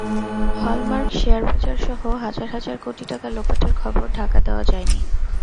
Hallmark, শেয়ারবাজারসহ হাজার হাজার কোটি টাকা লোপাটের খবর ঢাকা দেওয়া যায়নি।